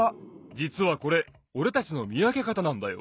じつはこれおれたちのみわけかたなんだよ。